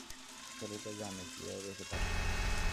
ছেলেটা জানে কীভাবে বেঁচে থাকতে হয়।